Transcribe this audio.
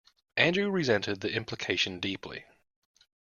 Andrew resented the implication deeply.